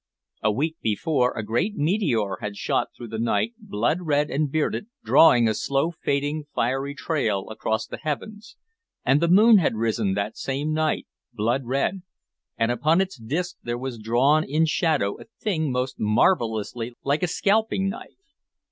A week before, a great meteor had shot through the night, blood red and bearded, drawing a slow fading fiery trail across the heavens; and the moon had risen that same night blood red, and upon its disk there was drawn in shadow a thing most marvelously like a scalping knife.